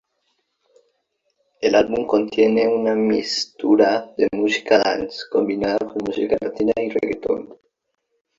El álbum contiene una mixtura de música dance, combinada con música latina y reggaeton.